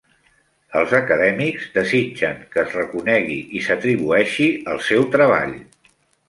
Els acadèmics desitgen que es reconegui i s'atribueixi el seu treball.